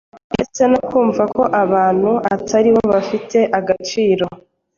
ndetse no kumva ko abantu atari bo bafite agaciro